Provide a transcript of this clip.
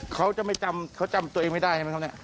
เค้าจะไม่จำเค้าจะไม่จำตัวเองไม่ได้